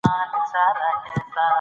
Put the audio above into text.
کابل ښه روښنايي غواړي.